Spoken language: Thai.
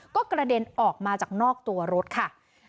ก็กระเด็นออกมาจากนอกตัวรถค่ะ